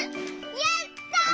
やった！